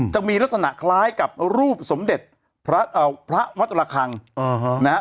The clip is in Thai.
จะมีลักษณะคล้ายกับรูปสมเด็จพระมัตตระคังนะฮะ